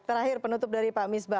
terakhir penutup dari pak misbah